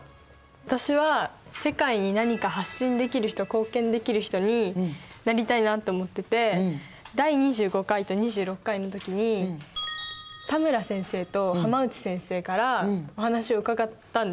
私は世界に何か発信できる人貢献できる人になりたいなと思ってて第２５回と２６回の時に田村先生と浜内先生からお話を伺ったんですよ。